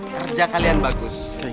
kerja kalian bagus